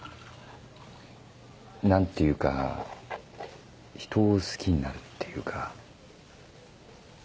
何ていうかひとを好きになるっていうか。